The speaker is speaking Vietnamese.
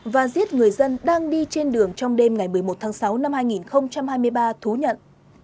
và giết người dân đang đi trên đường trong đêm ngày một mươi một tháng sáu năm hai nghìn hai mươi ba thú nhận